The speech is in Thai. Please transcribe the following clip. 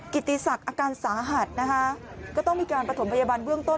ติศักดิ์อาการสาหัสนะคะก็ต้องมีการประถมพยาบาลเบื้องต้น